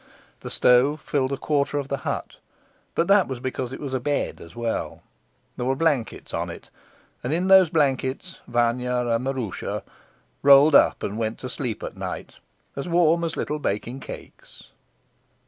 The stove filled a quarter of the hut, but that was because it was a bed as well. There were blankets on it, and in those blankets Vanya and Maroosia rolled up and went to sleep at night, as warm as little baking cakes.